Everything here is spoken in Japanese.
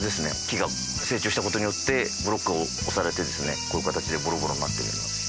木が成長した事によってブロックが押されてですねこういう形でボロボロになっております。